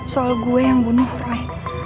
soal gue yang bunuh roy